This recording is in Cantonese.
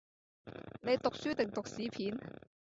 你讀書定讀屎片？